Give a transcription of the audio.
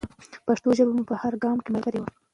پښتو ژبه مو په هر ګام کې ملګرې وي.